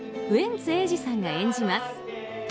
ウエンツ瑛士さんが演じます。